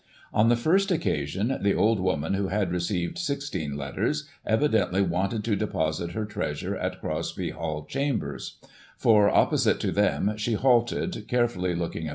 On the first occasion, the old woman, who had received 16 letters, evidently wanted to deposit her treasure at Crosby Hall Chambers ; for, opposite to them, she halted, carefully looking Digiti ized by Google 272 GOSSIP.